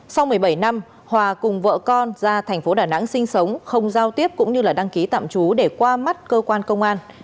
sau một mươi bảy năm hòa cùng vợ con ra thành phố đà nẵng sinh sống không giao tiếp cũng như là đăng ký tạm trú để qua mắt cơ quan công an